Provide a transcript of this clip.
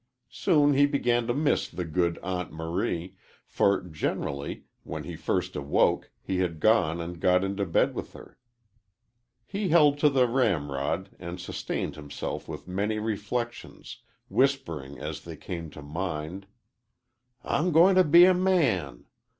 Soon he began to miss the good Aunt Marie, for, generally, when he first awoke he had gone and got into bed with her. He held to the ramrod and sustained himself with manly reflections, whispering as they came to mind: "I'm going to be a man.